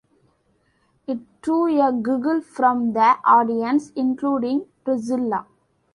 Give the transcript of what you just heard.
It drew a giggle from the audience, including Priscilla.